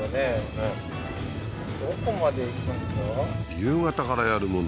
夕方からやるもの？